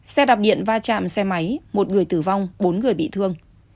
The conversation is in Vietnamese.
xe đạp điện va chạm xe máy một người tử vong bốn người bị thương